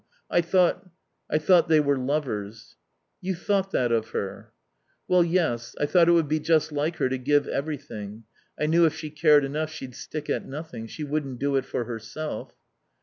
I thought I thought they were lovers." "You thought that of her?" "Well, yes. I thought it would be just like her to give everything. I knew if she cared enough she'd stick at nothing. She wouldn't do it for herself."